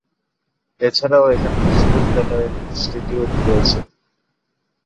এছাড়াও এখানে বিশ্ববিদ্যালয়ের ইনস্টিটিউট রয়েছে।